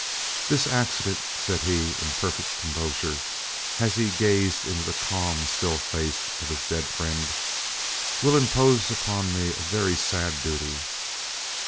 "This accident," said he in perfect composure, as he gazed into the calm, still face of his dead friend, "will impose on me a very sad duty.